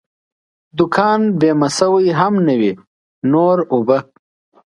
دوکان بیمه شوی هم نه وي، نور اوبه.